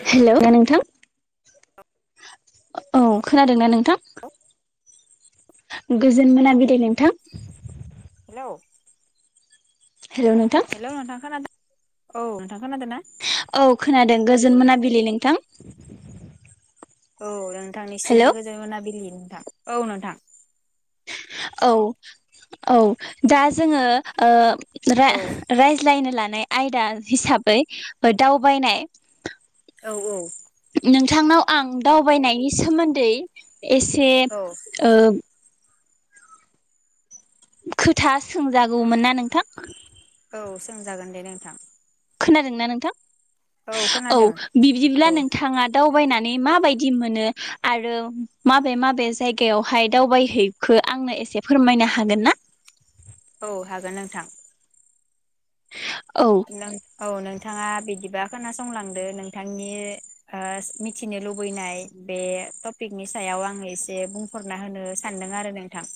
Hello hello नोंथां औ खोनादोंना नोंथां? गोजोन मोनाबिलि नोंथां औ हेलौ नोंथां हेल' नोंथां खोनादों औ नोंथां खोनादोंना? औ खोनादों गोजोन मोनाबिलि नोंथां। औ हेलौ थांनिसिमबो गोजोन मोनाबिलि। थां औ नोंथां औ औ दा जोङो ओ औ रा-रायज्लायनो लानाय आयदा हिसाबै बो दावबायनाय औ औ नोंथांनाव आं दावबायनायनि सोमोन्दै एसे औ ओ खोथा सोंजागौमोन ना नोंथां? औ सोंजागोन दे नोंथां खोनादोंना नोंथां औ बिदिब्ला औ नोंथाङा दा दावनानै माबायदि मोनो आरो माबे माबे जायगायावहाय दावबायहैखो आंनो एसे फोरमायनो हागोन ना? औ हागोन नोंथां। औ औ नोंथाङा बिदि दिबा खोनासंलांदो नोंथांनि ओ मिथिनो लुबैनाय बे टपिकनि सायाव आङो एसे बुंफोरना होनो सानदों आरो नोंथां।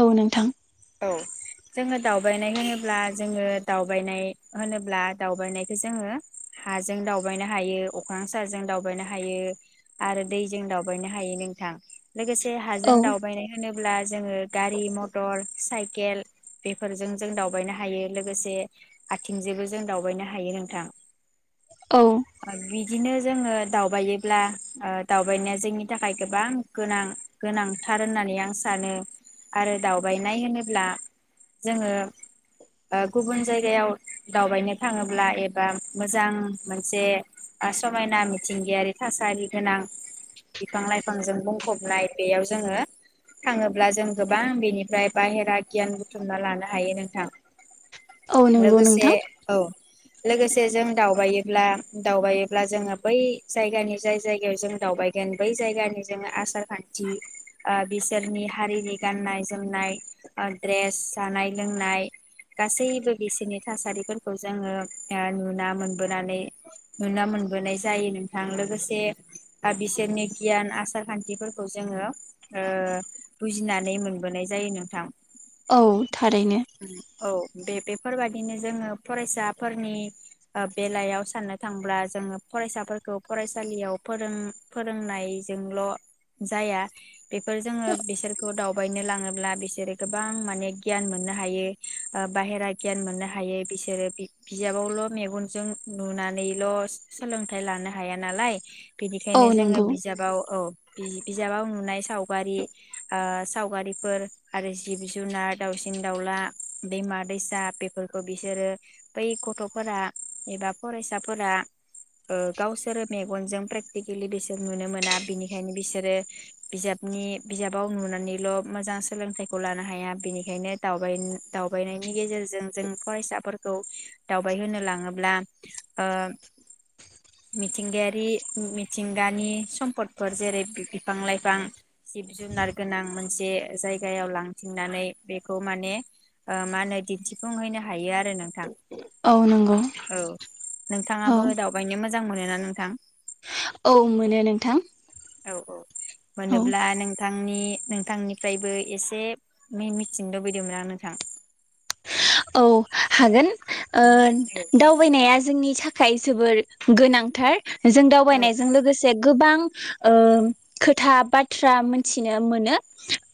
औ नोंथां औ जोङो दावबायनाय होनोब्ला जोङो दावबायनाय होनोब्ला दावबायनायखौ जोङो हाजों दावबायनो हायो अख्रां साजों दावबायनो हायो आरो दैजों दावबायनो हायो नोंथां। लोगोसे हाजों औ दावबायनाय होनो अब्ला जोङो गारि मथर साइकेल बेफोरजों जों दावबायनो हायो लोगोसे आथिंजोबो जों दावबायनो हायो नोंथां औ आरो बि बिदिनो जोङो दावबायोब्ला दावबायनाया जोंनि थाखाय गोबां गोनां गोनांथार होननानै आं सानो आरो दावबायनाय होनोब्ला जोङो गुबुन जायगायाव दावबायनो थाङोब्ला एबा मोजां मोन जे समायना मिथिंगायारि थासारि गोनां बिफां लाइफांजों बुंफबनाय बेयाव जोङो थाङोब्ला जों गोबां बेनिफ्राय बाहेरा गियान बुथुमना लानो हायो नोंथां औ नंगौ लोगोसे नोंथां औ लोगोसे जों दावबायो ब्ला दावबायोब्ला जोङो बै जायगानि जाय जायगायाव जों दावबायगोन बै जायगानि जोङो आसार खान्थि बिसोरनि हारिनि गाननाय जोमनाय दड्रेस जानाय लोंनाय गासैबो बिसोरनि थासारिफोरखौ जोङो नुना मोनबोदों नानै नुना मोनबोनाय जायो नोंथां लोगोसे बिसोरनि गियान आसार खान्थिफोरखौ जोङो ओ बुजिनानै मोनबोनाय जायो नोंथां। औ थारैनो। औ बे बेफोरबायाददिनो जोङो फरायसाफोरनि बेलायाव साननो थांब्ला जोङो फरायसाफोरखौ फरायसालियाव फोरों फोरोंनायजोंल' जाया बेफोर जोङो बिसोरखौ दावबायनो लाङोब्ला बिसोरो गोबां माने गियान मोननो हायो बाहेरा गियान मोननो हायो बिसोरो बिजाबावल' मेगन जों नुनानैल' सोलोंथाइ लानो हाया नालाय औ बिनिखायनो जोङो नंगौ बिजाबाव औ बिजाबाव नुनाय सावगारि सावगारिफोर आरो जिब जुनार दाउसिन दाउला दैमा दैसा बेफोरखौ बिसोरो बै गथ'फोरा एबा फरायसाफोरा ओ गावसोरो मेगनजों प्रेक्टिकेलि बिसोर नुनो मोना बिनिखायनो बिसोरो बिजाबनि बिजाबाव नुनानैल' मोजां सोलोंथाइखौ लानो हाया बिनिखायनो दबाय दावबायनायनि गेजेरजों जों फरायसाफोरखौ दावबायहो लाङोब्ला ब्ला ओ मिथिंगायारि मिथिंगानि सम्फदफोर जेरै बिफां लाइफां जिब जुनार गोनां मोनसे जायगायाव लांथिंनानै बेखौ माने मा होनो दिन्थिफुंहैनो हायो आरो नोंथां औ नंगौ। औ औ नोंथाङाबो दावबायनोमोन मोजां मोनोना नोंथां औ मोनो नोंथां। औ औ औ मोनोब्ला नों नोंथांनि नोंथांनिफ्रायबो एसे मिथिनो लुबैदोंमोन आं नोंथां। औ हागोन औ दावबायनाया जोंनि थाखाय थाइ जोबोर गोनांथार जों औ दावबायनायजों लोगोसे गोबां ओ खोथा बाथ्रा मोनथिनो मोनो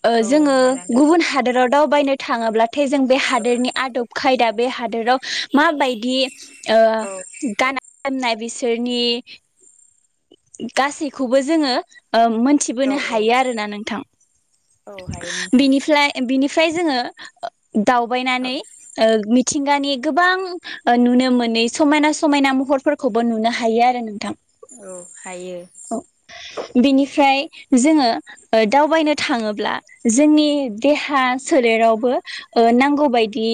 ओ औ जोङो मोनो नोंथां गुबुन हादराव दावबायनो थाङोब्ला थे जों बे औ हादोरनि खायदा बे हादोराव माबायदि ओ औ गाना होननाय बिसोरनि गासैखौबो जोङो ओ औ मोनथिबोनो औ हायो आरोना नोंथां औ हायो नोंथां बिफ्रायनि बिनि फ्राय जोङो ओ औ दावबायनानै ओ मि थिंगानि गोबां नुनो मोनै समायना समायना महरफोरखौबो नुनो हायो आरो नोंथां औ हायो औ बिनिफ्राय जोङो ओ दावबायनो थाङोब्ला जोंनि देहा सोलेरावबो ओ नांगौबायदि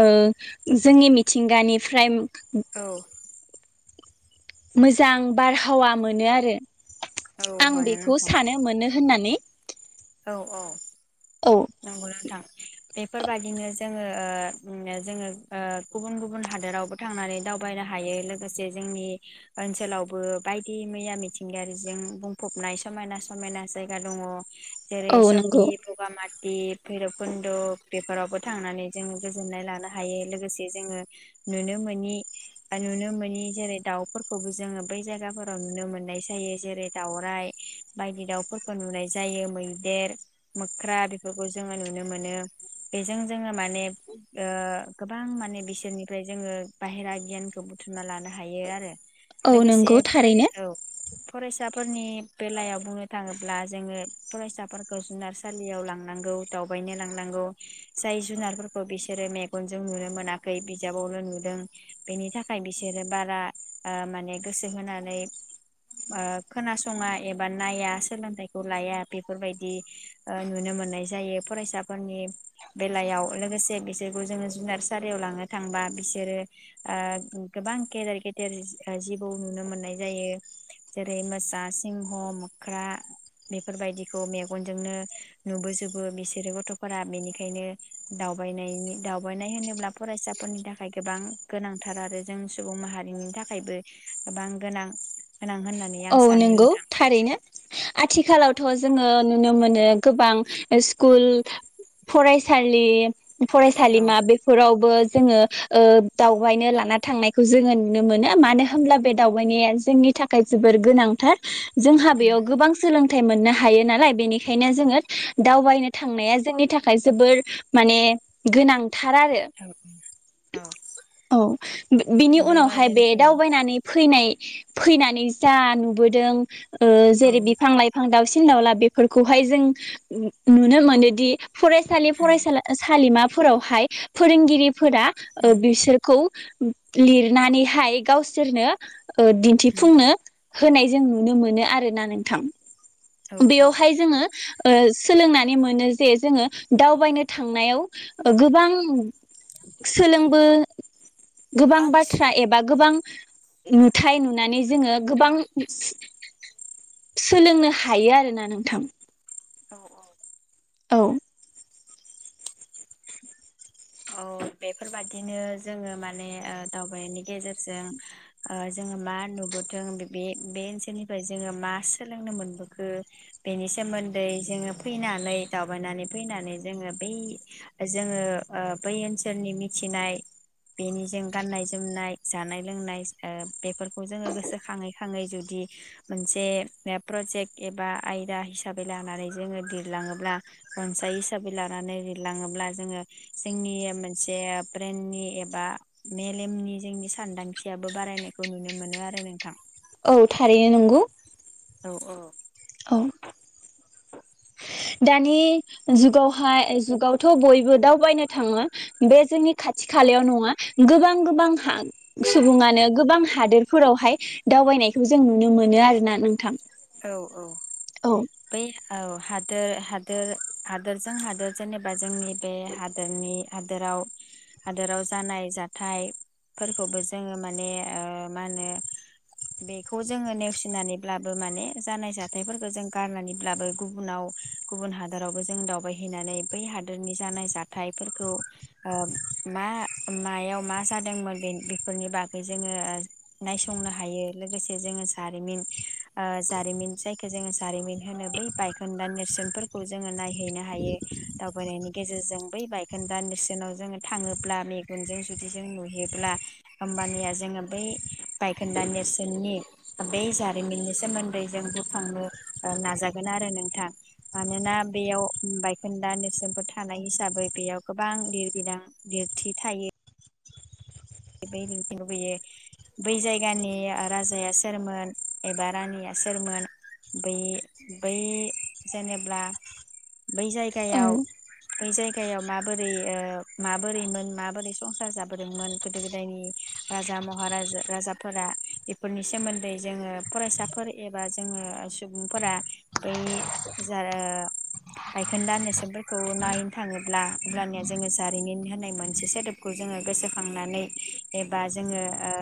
ओ जोंनि मिथिंगानिफ्राय औ मोजां बारहावा मोनो आरो औ आं मोनो बेखौ नोंथां सानो मोनो होननानै औ औ औ नंगौ नोंथां बेफोरबादिनो जोङो ओ जोङो ओ गुबुन गुबुन हादोरावबो थांनानै दावबायनो हायो लोगोसे जोंनि ओनसोलावबो बायदि मैया मिथिंगायारिजों बुंफबनाय समायना समायना जायगा दङ। जेर औ नंगौ चकी बगामा ति भैरबकुन्द बेफोरावबो थांनानै जोङो गोजोननाय लानो हायो लोगोसे जोङो नुनो मोनि नुनो मोनि जेरै दाउफोरखौबो जोङो बै जायगाफोराव नुनो मोननाय जायो जेरै दाउराइ बायदि दाउफोरखौ नुनाय जायो मै देर, मोख्रा बेफोरखौ जोङो नुनो मोनो बेजों जोङो माने ओ गोबां माने बिसोरनिफ्राय जोङो बाहेरा गियानखौ बुथुमना लानो हायो आरो। औ लोगोसे नंगौ फराय थारैनो औ फरायसाफोरनि बेलायाव बुंनो थाङोब्ला जोङो फरायसा फोरखौ जुनारसालियाव लांनांगौ दावबायनो लांनांगौ जाय जुनारफोरखौ बिसोरो मेगनजों नुनो मोनाखै बिजाबावनो नुदों बेनि थाखाय बिसोरो बारा ओ माने गोसो होनानै ओ खोनासङा एबा नाया सोलोंथाइखौ लाया बे बेफोरबायदि ओ नुनो मोननाय जायो फरायसाफोरनि बेलायाव लोगोसे बिसोरखौ जोङो जुनारसालियाव लांनो थांबा बिसोरो ओ गोबां गेदेर गेदेर जिबौ नुनो मोननाय जायो जेरै मोसा, सिंह, मोख्रा बेफोरबायदि खौ मेगनजोंनो नुबोजोबो बिसोरो गथफोरा बेनिखायनो दावबायनायनि दावबायनाय होनोब्ला फरायसाफोरनि थाखाय गोबां गोनांथार आरो जों सुबुं माहारिनि थाखायबो गोबां गोनां। गोनां होननानै आं औ सानो नोंगौ नोंथां थारैनो आथिखालाव थ जोङो नुनो मोनो गोबां स्कुल फरायसालि औ फरायसालिमा बेफोरावबो जोङो ओ दावबायनो लाना थांनायखौ जोङो नुनो मोनो मानो होनोब्ला बे दावबायनाया जोंनि थाखाय जोबोर गोनांथार। जोंहा बेयाव गोबां सोलों थाइ मोननो हायो नालाय बेनिखायनो जोङो दावबायनो थांनाया जोंनि थाखाय जोबोर माने गोनां थार आरो औ औ औ बिनि उनावहाय बे बेबादिनो औ दावबायनानै फैनाय फैनानै। जा नुबोदों ओ औ जेरै बिफां लाइफां दाउसिन सिन दावला बेफोरखौहाय जों नुनो मोनोदि फरायसालि फरायसा सालिमा फोरावहाय फोरोंगिरि फोरा ओ बिसोरखौ लिरनानैहाय गावसोरनो ओ दिन्थिफुंनो होनाय जों नुनो मोनो आरोना नोंथां। औ औ बेयावहाय जोङो ओ सोलोंनानै मोनो जे जोङो दावबायनो थांनायाव गोबां सोलोंबो गोबां आं बाथ्रा एबा गोबां नुथाय नुनानै जोङो गोबां सोलोंनो हायो आरोना नोंथां। औ औ। औ। औ बेफोरबादिनो जोङो माने ओ दावबायनायनि गेजेरजों ओ जोङो मा नुबोथों बे ओनसोलनिफ्राय जोङो मा सोलोंनो मोनबोखो बेनि सोमोन्दै जोङो फैनानै दावबायनानै फैनानै जोङो बै जोङो ओ बै ओनसोलनि मिथिनाय बेनिजों गाननाय जोमनाय जानाय लोंनाय ओ बेफोरखौ जोङो गोसोखाङै खाङै जुदि मोनसे प्रजेक्ट एबा आयदा हिसाबै लानानै जोङो लिरलाङोब्ला रनसाय हिसाबै लानानै लिरलाङोब्ला जोङो जोंनि मोनसे ब्रेननि एबा मेलेमनि जोंनि सानदांथियाबो बारायनायखौ नुनो मोनो आरो नोंथां। औ थारैनो नंगौ। औ औ। औ। दानि जुगावहाय जुगावथ' बयबो दावबायनो थाङो बे जोंनि खाथि खालायाव नङा गोबां गोबां सुबुङानो गोबां हादोरफोरावहाय दावबायनायखौ जों नुनो मोनो आरोना नोंथां। औ औ औ बै औ। हादोर हादोर हादोरजों हादोर जेनेबा जोंनि बे हादोरनि हादोराव हादोराव जानाय जाथायफोरखौबो जोङो माने ओ मा होनो बेखौ जोङो नेवसिनानैब्लाबो माने जानाय जाथायफोरखौ जों गारनानैब्लाबो गुबुनाव गुबुन हादोरावबो जों दावबायहैनानै बै हादोरनि जानाय जाथायाइफोरखौ ओ मा मायाव मा जादोंमोन बे बेफोरनि बागै जोङो नायसंनो हायो लोगोसे जोङो जारिमिन ओ जारिमिन जायखौ जोङो जारिमिन होनो बै बायखोन्दा नेरसोनफोरखौ जोङो नायहैनो हायो दावबायनायनि गेजेरजों बै बायखोन्दा नेरसोनाव जोङो थाङोब्ला मेगनजों जुदि जों नुयोब्ला होम्बानिया जोङो बै बायखोन्दा नेरसोननि बै जारिमिननि सोमो [unintelligible] जों बोखांनो नाजागोन आरो नोंथां मानोना बेयाव बायखोन्दा नेरसोनफोर थानाय हिसाबै बेयाव गोबां लिरबिलां लिरथि थायो। बै लुबैयो बै जायगानि राजाया सोरमोन एबा रानिया सोरमोन बै बै जेनेब्ला बै जायगायाव बै जायगायाव माबोरै ओ माबोरैमोन माबोरै संसार जाबोदोंमोन गोदो गोदायनि राजा महारा राजाफोरा बेफोरनि सोमोन्दै जोङो फरायसाफोर एबा जोङो सुबुंफोरा बै [unintelligible] लायखोन्दा नेरसोनफोरखौ नायनो थाङोब्ला अब्लानिया जोङो जारिमिन होननाय मोनसे सोदोबखौ जोङो गोसोखांनानै। एबा जोङो ओ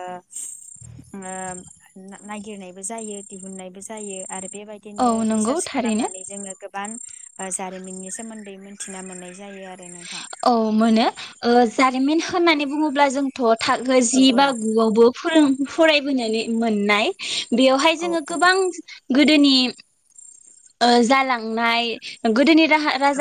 नागिरनायबो जायो दिहुननायबो जायो आरो। बेबायदिनो औ नंगौ रिसार्च थारैनो खालामनानै जोङो गो बां ओ जारिमिननि सोमोन्दै मोनथिना मोननाय जायो आरो नोंथां। औ मोनो ओ जारिमिन होननानै बुङोब्ला जोंथ' थाखो औ जि औ बा गुआवबो फोरों फरायबोनानै मोननाय। बेवहाय औ जोङो औ गोबां गोदोनि ओ जालांनाय गोदोनि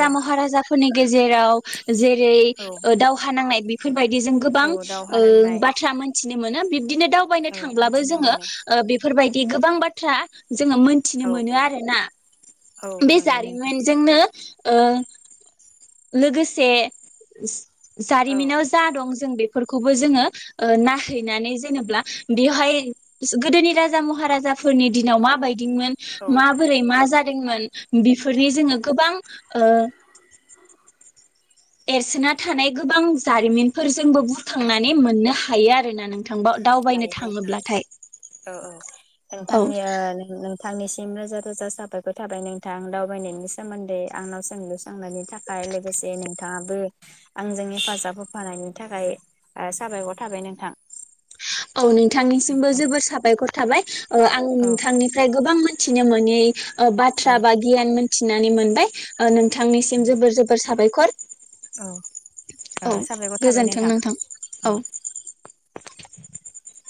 औ महाराजाफोरनि गेजेराव जेरै औ ओ दावहा नांनाय बे बायदि जों गोबां औ दावहा ओ नांनाय बाथ्रा मोनथि नि मोनो बि बिदिनो दावबायनो औ थांब्लाबो मिथिनो जोङो मोनो ओ बेफोरबायदि गोबां बाथ्रा जोङो मोनथिनो औ मोनो औ आरोना। औ बे मोनो नोंथां जारिमिनजोंनो ओ लोगोसे औ जारिमिनाव जा दं जों बे फोरखौबो जोङो ओ नायहैनानै जेनेबा बेवहाय गोदोनि राजा महाराजाफोरनि दिनाव माबायदि मोन औ माबोरै मा जादोंमोन बेफोरनि जोङो गोबां ओ एरसोना थानाय गोबां जारिमिनफोरजोंबो बुरखांनानै मोननो हायो आरोना नों दायो नोंथां औ औ औ नोंथांनि ओ नोंथांनि सिम रोजा रोजा साबायखर थाबाय नोंथां दावबायनायनि सोमोन्दै आंनाव सोंलु सोंनायनि थाखाय लोगोसे नोंथाङाबो आंजों हेफाजाब होफानायनि थाखाय साबायखर थाबाय नोंथां। औ नोंथांनिसिमबो औ जोबोर साबायखर थाबाय। ओ आं औ नोंथांनिफ्राय गोबां मिथिनो मोनि बाथ्रा औ बा गियान मोन थिनानै मोनबाय ओ नोंथांनिसिम जोबोर जोबोर साबायखर। औ ओ औ साबायखर थाबाय गोजोन्थों नोंथां औ। [inaudible]